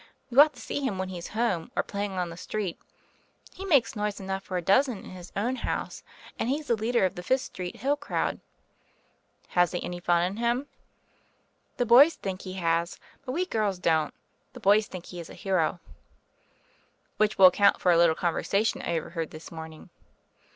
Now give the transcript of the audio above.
You ought to see nim when he's home, or playing on the street. He makes noise enough for a dozen in his own house, and he's the leader of the Fifth Street hill crowd." "Has he any fun in him?" "The boys think he has; but we girls don't. The boys think he is a hero." "Which will account for a little conversation I overheard this morning."